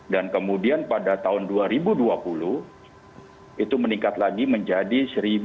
dan kemudian pada tahun dua ribu dua puluh itu meningkat lagi menjadi satu tujuh ratus sembilan puluh